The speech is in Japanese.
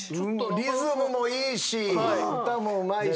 リズムもいいし歌もうまいし。